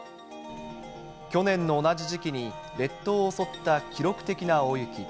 去年の同じ時期に列島を襲った記録的な大雪。